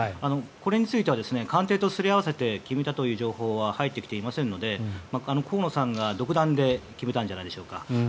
これについては官邸とすり合わせて決めたという情報は入ってきていませんので河野さんが独断で決めたんじゃないですか。